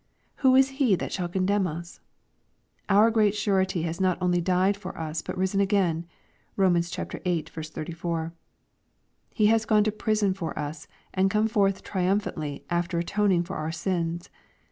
Who is he that shall condemn us ? Our Great Surety has not only died for us but risen again. (Rom. viii. 34.) He has gone to prison for us, and come forth triumphantly after atoning for our sins.